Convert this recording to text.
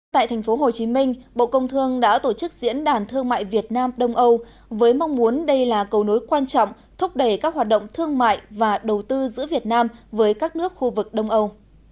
tại tp hcm bộ công thương đã tổ chức diễn đàn thương mại việt nam đông âu với mong muốn đây là cầu nối quan trọng thúc đẩy các hoạt động thương mại và đầu tư giữa việt nam với các nước khu vực đông âu